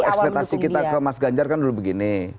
kita kan dulu ekspektasi kita ke mas ganjar kan dulu begini